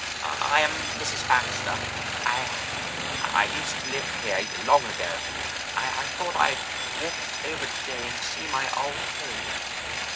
"I am Mrs. Baxter. I—I used to live here long ago. I thought I'd walk over today and see my old home."